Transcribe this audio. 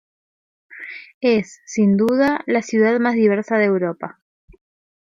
Es, sin duda, la ciudad más diversa de Europa.